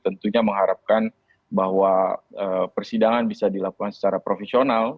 tentunya mengharapkan bahwa persidangan bisa dilakukan secara profesional